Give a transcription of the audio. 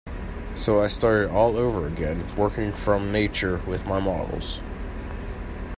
So I started all over again, working from nature, with my models.